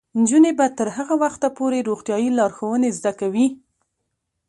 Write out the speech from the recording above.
نجونې به تر هغه وخته پورې روغتیايي لارښوونې زده کوي.